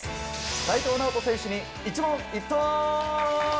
齋藤直人選手に一問一答！